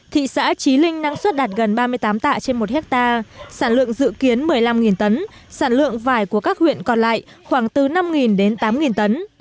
thị xã trí linh năng suất đạt gần ba mươi tám tạ trên một hectare sản lượng dự kiến một mươi năm tấn sản lượng vải của các huyện còn lại khoảng từ năm đến tám tấn